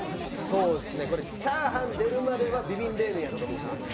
チャーハン出るまではビビン冷麺やったと思うんですよ。